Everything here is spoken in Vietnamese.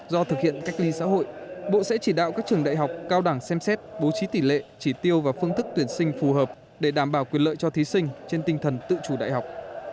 do thực hiện cách ly xã hội bộ sẽ chỉ đạo các trường đại học cao đẳng xem xét bố trí tỷ lệ chỉ tiêu và phương thức tuyển sinh phù hợp để đảm bảo quyền lợi cho thí sinh trên tinh thần tự chủ đại học